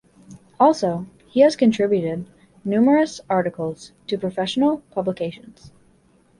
Also he has contributed numerous articles to professional publications.